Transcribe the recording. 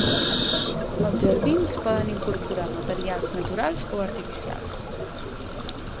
Els jardins poden incorporar materials naturals o artificials.